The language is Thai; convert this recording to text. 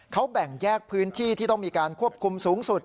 เขาแบ่งแยกพื้นที่ที่ต้องมีการควบคุมสูงสุด